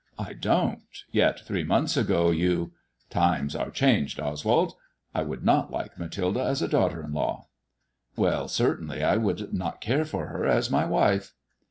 I don't ; yet three months ago you "" Times are changed, Oswald. I would not like Mathilda as a daughter in law." " Well, certainly I would not care for her as my wife."